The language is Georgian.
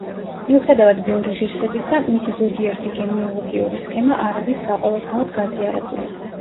მიუხედავად ბევრი ღირსებისა, მისი ზოგიერთი გენეალოგიური სქემა არ არის საყოველთაოდ გაზიარებული.